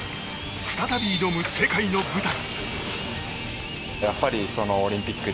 再び挑む世界の舞台。